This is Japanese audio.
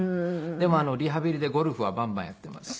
でもリハビリでゴルフはバンバンやっています。